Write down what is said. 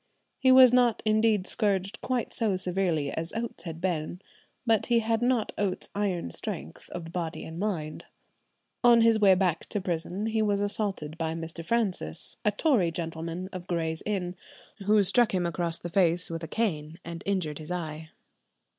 He was not indeed scourged quite so severely as Oates had been; but he had not Oates's iron strength of body and mind." On his way back to prison he was assaulted by Mr. Francis, a Tory gentleman of Gray's Inn, who struck him across the face with a cane and injured his eye.